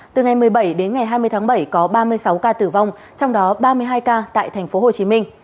từ ngày một mươi bảy đến ngày hai mươi tháng bảy có ba mươi sáu ca tử vong trong đó ba mươi hai ca tại tp hcm